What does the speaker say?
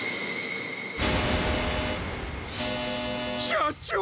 社長‼